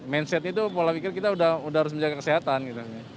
mindset itu pola pikir kita udah harus menjaga kesehatan gitu